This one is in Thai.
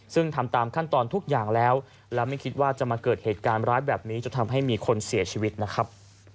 ซึ่งทำตามขั้นตอนทุกอย่างแล้วและไม่คิดว่าจะมาเกิดเหตุการณ์ร้ายแบบนี้จนทำให้มีคนเสียชีวิตนะครับ